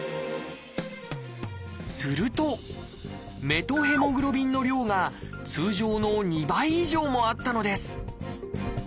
すると「メトヘモグロビン」の量が通常の２倍以上もあったのです。